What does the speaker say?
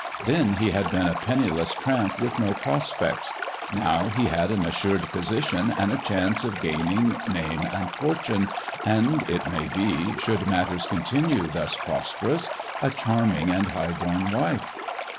Then he had been a penniless tramp with no prospects, now he had an assured position and a chance of gaining name and fortune, and it may be, should matters continue thus prosperous, a charming and high born wife.